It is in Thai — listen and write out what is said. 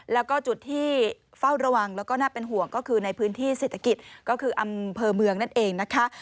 แล้วก็จุดที่เฝ้าระวังแล้วก็น่าเป็นห่วงก็คือในพื้นที่เศรษฐกิจก็คืออำเภอเมืองนั่นเองนะคะ